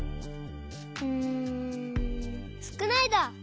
うん「すくない」だ！